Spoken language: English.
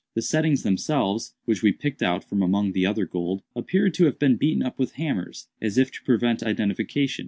The settings themselves, which we picked out from among the other gold, appeared to have been beaten up with hammers, as if to prevent identification.